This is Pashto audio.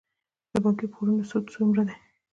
د بانکي پورونو سود څومره دی؟